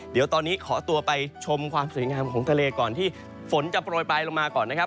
เดี๋ยวตอนนี้ขอตัวไปชมความสวยงามของทะเลก่อนที่ฝนจะโปรยปลายลงมาก่อนนะครับ